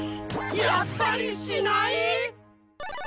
やっぱりしない！？